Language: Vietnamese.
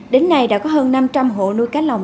đến nay đã có hơn năm trăm linh hộ nuôi cá lồng